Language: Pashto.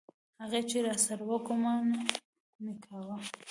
هغه چې راسره و ګومان مې کاوه.